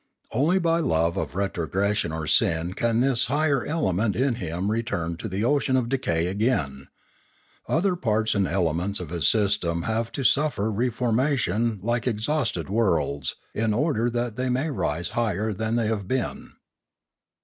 Only by love of retrogression or sin can this higher element in him return into the ocean of decay again. The other parts and elements of his system have to suffer reformation like exhausted worlds, in order that they may rise higher than they have been.